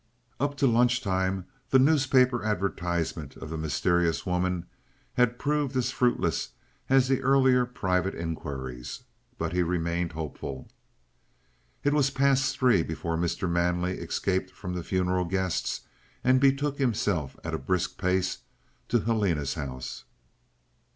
Up to lunchtime the newspaper advertisement of the mysterious woman had proved as fruitless as the earlier private inquiries. But he remained hopeful. It was past three before Mr. Manley escaped from the funeral guests and betook himself at a brisk pace to Helena's house.